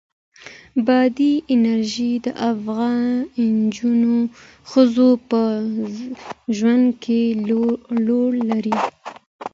بادي انرژي د افغان ښځو په ژوند کې رول لري.